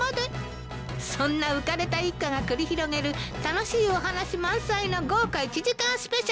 そんな浮かれた一家が繰り広げる楽しいお話満載の豪華１時間スペシャル。